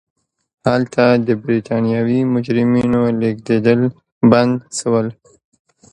هلته د برېټانوي مجرمینو لېږدېدل بند شول.